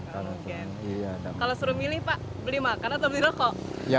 kalau suruh milih pak beli makan atau beli rokok